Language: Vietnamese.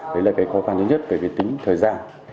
đấy là cái khó khăn thứ nhất về cái tính thời gian